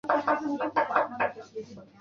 德鲁艾地区梅齐埃。